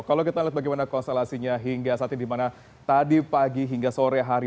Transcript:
kalau kita lihat bagaimana konstelasinya hingga saat ini di mana tadi pagi hingga sore hari